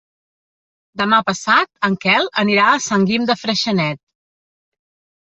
Demà passat en Quel anirà a Sant Guim de Freixenet.